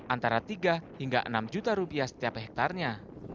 antara tiga hingga enam juta rupiah setiap hektarnya